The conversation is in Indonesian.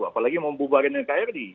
apalagi membubarin nkri